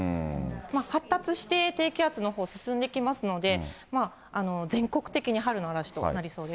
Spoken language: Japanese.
発達して低気圧のほう、進んできますので、全国的に春の嵐となりそうです。